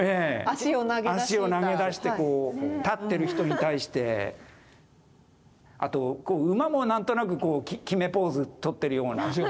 足を投げ出してこう立ってる人に対して。あと馬も何となく決めポーズとってるような。